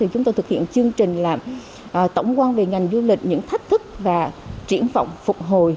chúng tôi thực hiện chương trình tổng quan về ngành du lịch những thách thức và triển vọng phục hồi